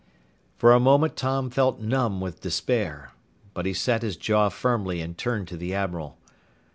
For a moment Tom felt numb with despair. But he set his jaw firmly and turned to the admiral.